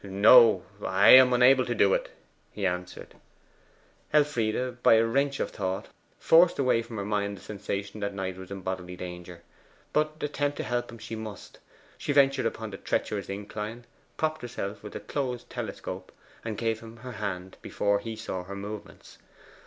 'No, I am unable to do it,' he answered. Elfride, by a wrench of thought, forced away from her mind the sensation that Knight was in bodily danger. But attempt to help him she must. She ventured upon the treacherous incline, propped herself with the closed telescope, and gave him her hand before he saw her movements.